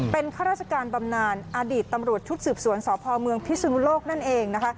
เป็นข้าราชการบำนานอดีตตำรวจชุดสืบสวนสพเมืองพิศนุโลกนั่นเองนะคะ